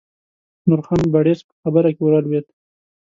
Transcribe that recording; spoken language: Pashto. نورخان بړیڅ په خبره کې ور ولوېد.